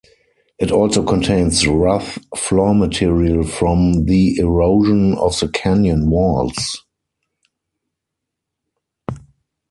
It also contains rough floor material from the erosion of the canyon walls.